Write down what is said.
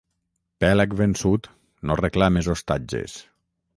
Pèlag vençut, no reclames ostatges.